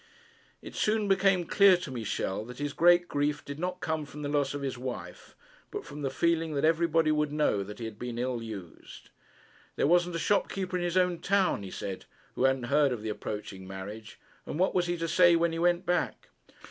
It soon became clear to Michel that his great grief did not come from the loss of his wife, but from the feeling that everybody would know that he had been ill used. There wasn't a shopkeeper in his own town, he said, who hadn't heard of his approaching marriage. And what was he to say when he went back?